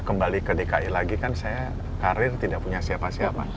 kembali ke dki lagi kan saya karir tidak punya siapa siapa